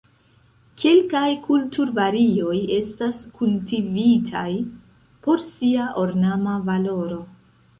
Kelkaj kulturvarioj estas kultivitaj por sia ornama valoro.